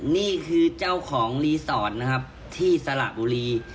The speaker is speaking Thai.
นี่คือเจ้าของรีสอร์ทนะครับที่สระบุรี